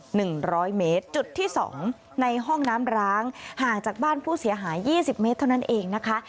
หนึ่งร้อยเมตรจุดที่สองในห้องน้ำร้างห่างจากบ้านผู้เสียหายยี่สิบเมตรเท่านั้นเองนะคะ